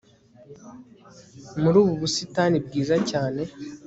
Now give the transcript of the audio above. Muri ubu busitani bwiza cyane